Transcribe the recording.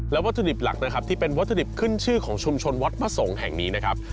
วัตถุดิบหลักนะครับที่เป็นวัตถุดิบขึ้นชื่อของชุมชนวัดพระสงฆ์แห่งนี้นะครับ